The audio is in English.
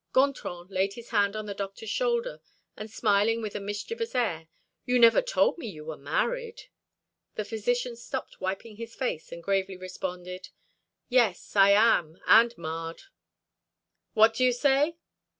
Gontran laid his hand on the doctor's shoulder, and smiling with a mischievous air: "You never told me you were married." The physician stopped wiping his face, and gravely responded: "Yes, I am, and marred." "What do you say?"